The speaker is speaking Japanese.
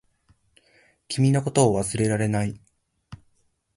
君のことを忘れられない